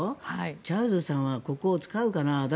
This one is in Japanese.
チャールズさんはここを使うかな。